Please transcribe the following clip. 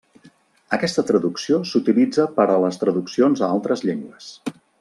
Aquesta traducció s'utilitza per a les traduccions a altres llengües.